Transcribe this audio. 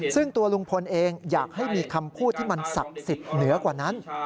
ซึ่งตัวลุงพลเองอยากให้มีคำพูดที่มันศักดิ์สิทธิ์เหนือกว่านั้น